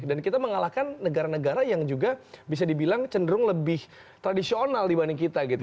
dan kita mengalahkan negara negara yang juga bisa dibilang cenderung lebih tradisional dibanding kita gitu